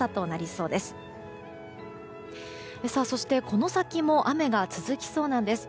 そして、この先も雨が続きそうなんです。